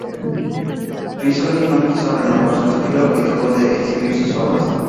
Rizzoli no quiso renovar su estilo y dejó de de exhibir sus obras.